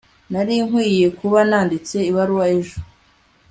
nari nkwiye kuba nanditse ibaruwa ejo